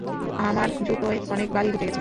আমার জুতোয় অনেক বালি ঢুকে গেছে!